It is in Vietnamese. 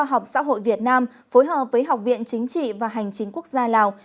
hội việt nam phối hợp với học viện chính trị và hành chính quốc gia lào